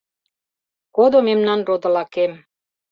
Кодо мемнан родылакем.